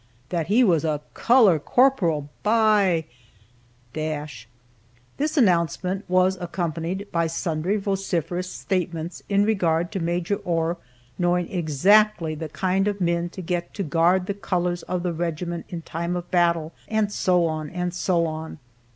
That he was a "color corporal, by !" This announcement was accompanied by sundry vociferous statements in regard to Maj. Ohr knowing exactly the kind of men to get to guard the colors of the regiment in time of battle, and so on, and so on.